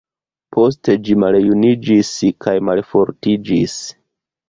Poste ĝi maljuniĝis kaj malfortiĝis.